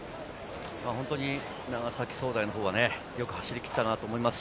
本当に長崎総大のほうはよく走り切ったと思います。